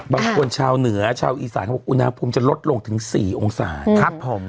บางคนชาวเหนือชาวอีสานเขาบอกอุณหภูมิจะลดลงถึง๔องศาครับผม